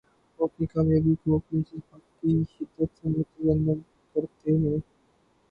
وہ اپنی کامیابی کو اپنے جذبات کی شدت سے منتظم کرتے ہیں۔